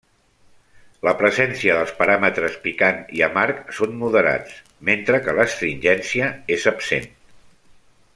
La presència dels paràmetres picant i amarg son moderats, mentre que l'astringència és absent.